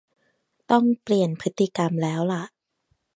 ต้องเปลี่ยนพฤติกรรมแล้วล่ะ